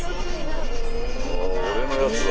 あ俺のやつだ。